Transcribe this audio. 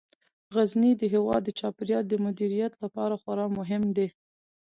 غزني د هیواد د چاپیریال د مدیریت لپاره خورا مهم دی.